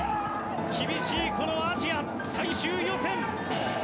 厳しいこのアジア最終予選。